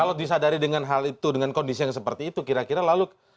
kalau disadari dengan hal itu dengan kondisi yang seperti itu kira kira lalu